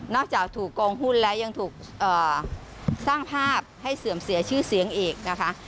จากถูกโกงหุ้นแล้วยังถูกสร้างภาพให้เสื่อมเสียชื่อเสียงอีกนะคะ